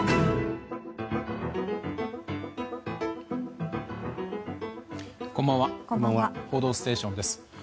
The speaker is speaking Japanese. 「報道ステーション」です。